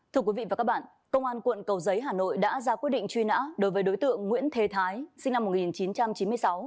thưa quý vị và các bạn công an quận cầu giấy hà nội đã ra quyết định truy nã đối với đối tượng nguyễn thế thái sinh năm một nghìn chín trăm chín mươi sáu